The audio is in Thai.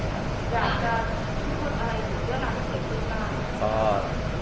อยากจะพูดอะไรอยู่ในเวลาที่เกิดพื้นบ้าน